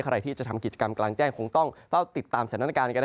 ใครที่จะทำกิจกรรมกลางแจ้งคงต้องเฝ้าติดตามสถานการณ์กัน